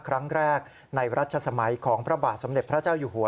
ครั้งแรกในรัชสมัยของพระบาทสมเด็จพระเจ้าอยู่หัว